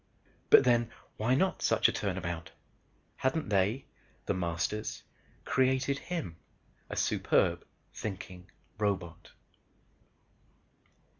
But then why not such a turnabout? Hadn't they, The Masters, created him a superb, thinking robot?